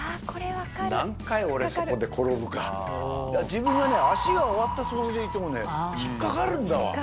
自分がね足が上がったつもりでいてもね引っかかるんだわ。